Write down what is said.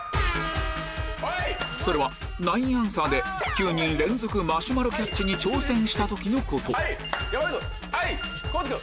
それはナインアンサーで９人連続マシュマロキャッチに挑戦した時のこと地君。